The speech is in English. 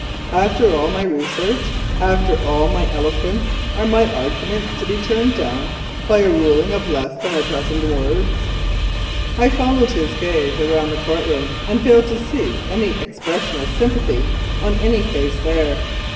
After all my research, after all my eloquence, are my arguments to be turned down by a ruling of less than a dozen words?" I followed his gaze around the court room and failed to see any ex pression of sympathy on any face there.